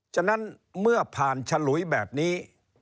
ฉะนั้นเมื่อผ่านฉลุยแบบนี้